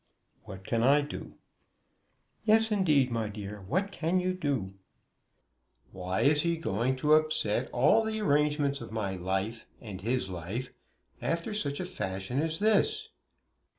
"What can I do?" "Yes, indeed, my dear; what can you do?" "Why is he going to upset all the arrangements of my life, and his life, after such a fashion as this?"